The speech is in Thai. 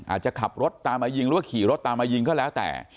อาจจะขับรถตามมายิงหรือว่าขี่รถตามมายิงก็แล้วแต่